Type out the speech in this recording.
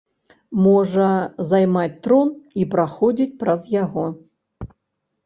Можа займаць трон і праходзіць праз яго.